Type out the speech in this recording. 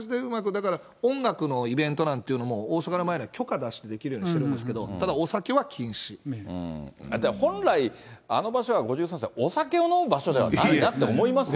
だから音楽のイベントなんていうのも、大阪の前では許可出してできるようにしてるんですけど、ただお酒本来、あの場所は５３世、お酒を飲む場所ではないよなって思いますよね。